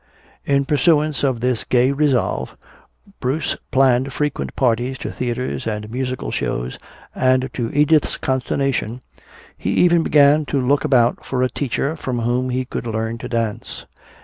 In pursuance of this gay resolve, Bruce planned frequent parties to theaters and musical shows, and to Edith's consternation he even began to look about for a teacher from whom he could learn to dance.